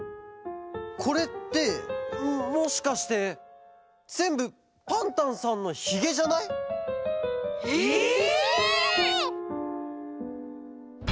これってもしかしてぜんぶパンタンさんのヒゲじゃない？えっ！？